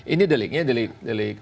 ini deliknya delik